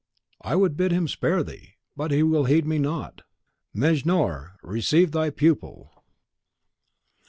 I would bid him spare thee, but he will heed me not. Mejnour, receive thy pupil!"